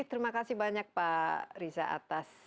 terima kasih banyak pak riza atas